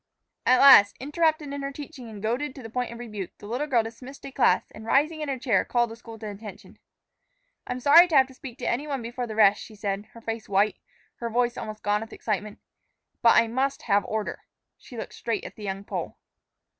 At last, interrupted in her teaching and goaded to the point of rebuke, the little girl dismissed a class and, rising in her chair, called the school to attention. "I am sorry to have to speak to any one before the rest," she said, her face white, her voice almost gone with excitement; "but I must have order." She looked straight at the young Pole.